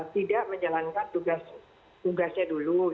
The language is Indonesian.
tidak menjalankan tugasnya dulu